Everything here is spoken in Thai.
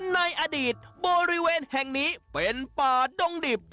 ในอดีตบริเวณแห่งนี้เป็นป่าดงดิบ